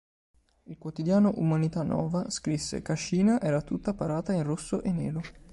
Il quotidiano “Umanità nova” scrisse “"Cascina era tutta parata in rosso e nero.